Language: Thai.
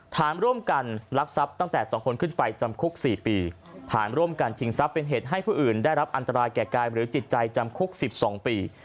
ฐานร่วมกันลักทรัพย์ตั้งแต่๒คนขึ้นไปจำคุก๔ปีฐานร่วมกันชิงทรัพย์เป็นเหตุให้ผู้อื่นได้รับอันตรายแก่กายหรือจิตใจจำคุก๑๒ปี